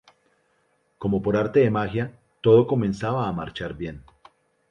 Como por arte de magia, todo comenzaba a marchar bien.